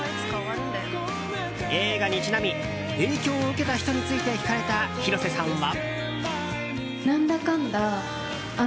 映画にちなみ影響を受けた人について聞かれた広瀬さんは。